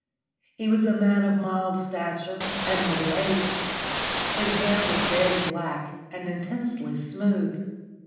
He was a man of middle stature and middle age. His hair was very black and intensely smooth.